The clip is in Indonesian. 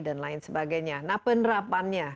dan lain sebagainya nah penerapannya